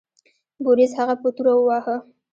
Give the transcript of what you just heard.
بوریس هغه په توره وواهه.